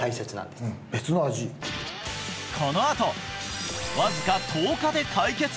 このあとわずか１０日で解決！？